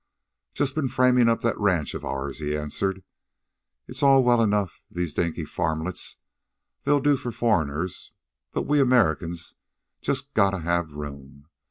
"Just been framin' up that ranch of ourn," he answered. "It's all well enough, these dinky farmlets. They'll do for foreigners. But we Americans just gotta have room.